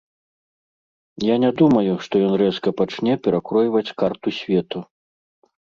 Я не думаю, што ён рэзка пачне перакройваць карту свету.